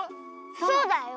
そうだよ。